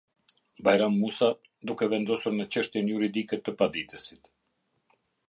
Bajram Musa, duke vendosur në çështjen juridike të paditësit.